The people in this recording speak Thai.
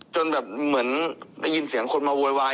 จนแบบเหมือนได้ยินเสียงคนมาโวยวาย